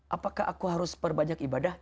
apakah aku harus perbanyak ibadah